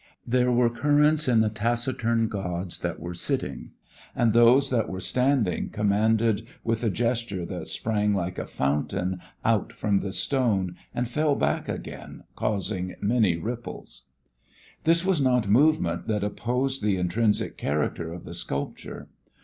There were currents in the taciturn gods that were sitting; and those that were standing commanded with a gesture that sprang like a fountain out from the stone and fell back again causing many ripples. This was not movement that opposed the intrinsic character of the sculpture.